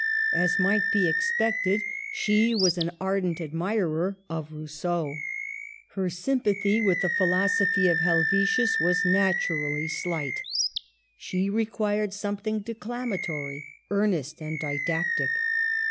As might be expected, she was an ardent ad mirer of Rousseau. Her sympathy with the philosophy of Helvetius was naturally slight. She required something declamatory, earnest, and didactic.